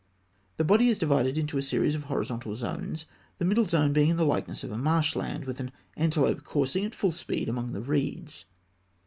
The body is divided into a series of horizontal zones, the middle zone being in the likeness of a marshland, with an antelope coursing at full speed among the reeds.